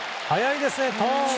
早いですね。